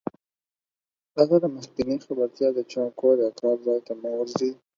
پرته له مخکينۍ خبرتيا د چا کور يا کار ځاى ته مه ورځٸ.